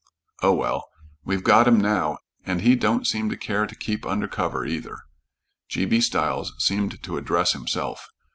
"Oh, well, we've got him now, and he don't seem to care to keep under cover, either." G. B. Stiles seemed to address himself.